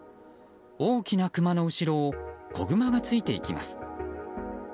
大きなクマの後ろを子グマがついていきます。